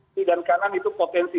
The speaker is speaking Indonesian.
kiri dan kanan itu potensi